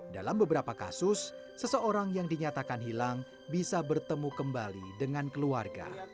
dalam beberapa kasus seseorang yang dinyatakan hilang bisa bertemu kembali dengan keluarga